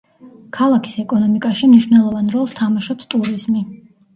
ქალაქის ეკონომიკაში მნიშვნელოვან როლს თამაშობს ტურიზმი.